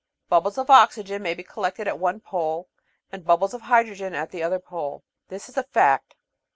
Bubbles of oxygen may be collected at one pole, and bubbles of hydrogen at the other pole. This is a fact.